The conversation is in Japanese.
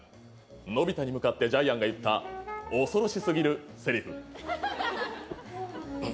のび太に向かってジャイアンが言った恐ろしすぎるセリフ。